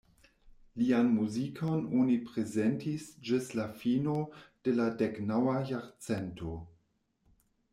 Lian muzikon oni prezentis ĝis la fino de la deknaŭa jarcento.